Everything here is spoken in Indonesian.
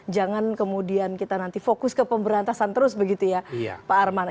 jangan kemudian kita nanti fokus ke pemberantasan terus begitu ya pak arman